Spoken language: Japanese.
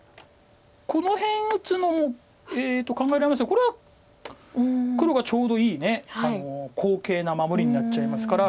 この辺打つのも考えられますがこれは黒がちょうどいい好形な守りになっちゃいますから。